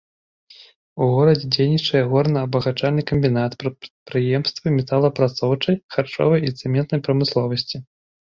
У горадзе дзейнічае горна-абагачальны камбінат, прадпрыемствы металаапрацоўчай, харчовай і цэментнай прамысловасці.